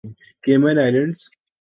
Cayman islands